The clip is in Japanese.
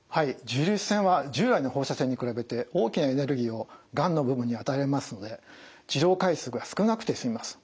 重粒子線は従来の放射線に比べて大きなエネルギーをがんの部分に与えられますので治療回数が少なくて済みます。